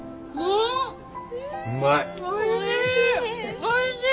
おいしい。